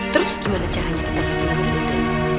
terus gimana caranya kita yakin si indra